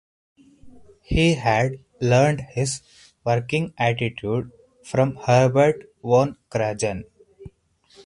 He had learned his working attitude from Herbert von Karajan.